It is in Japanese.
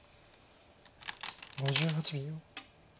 ５８秒。